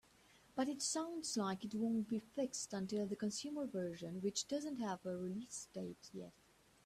But it sounds like it won't be fixed until the consumer version, which doesn't have a release date yet.